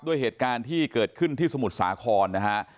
เหตุการณ์ที่เกิดขึ้นที่สมุทรสาครนะฮะ